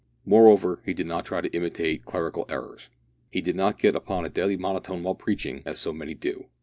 Moreover, he did not try to imitate clerical errors. He did not get upon a deadly monotone while preaching, as so many do.